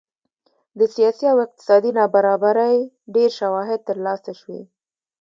د سیاسي او اقتصادي نابرابرۍ ډېر شواهد ترلاسه شوي